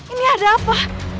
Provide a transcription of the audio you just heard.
ini ada apa